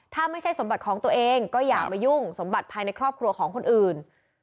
ถ้าไม่ใช่สมบัติของตัวเองก็อย่ามายุ่งสมบัติภายในครอบครัวของคนอื่น